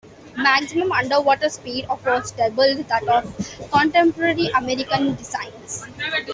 The maximum underwater speed of was double that of contemporary American designs.